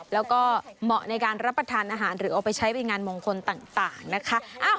แล้วก็เหมาะในการรับประทานอาหารหรือเอาไปใช้เป็นงานมงคลต่างนะคะ